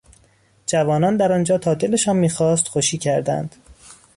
جوانان در آنجا تا دلشان میخواست خوشی کردند.